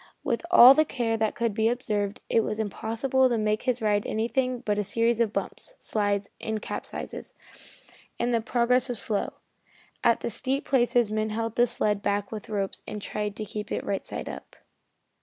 With all the care that could be observed, it was impossible to make his ride anything but a series of bumps, slides and capsizes, and the progress was slow. At the steep places men held the sled back with ropes and tried to keep it right side up.